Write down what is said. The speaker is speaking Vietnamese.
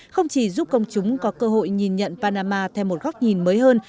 không chỉ giúp công chúng có cơ hội nhìn nhận panama theo một góc nhìn mới hơn